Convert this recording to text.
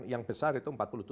yang besar itu empat puluh tujuh